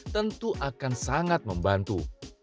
tentu akan sangat membantu